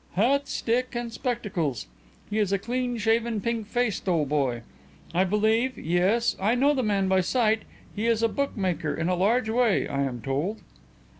"Hat, stick and spectacles. He is a clean shaven, pink faced old boy. I believe yes, I know the man by sight. He is a bookmaker in a large way, I am told."